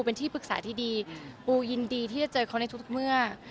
เป็นที่ปรึกษาที่ดีปูยินดีที่จะเจอเขาในทุกเมื่อ